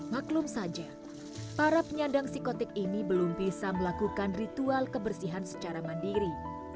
maklum saja para penyandang psikotik ini belum bisa melakukan ritual kebersihan secara mandiri